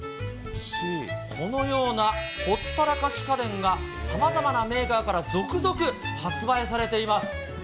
このようなほったらかし家電が、さまざまなメーカーから続々発売されています。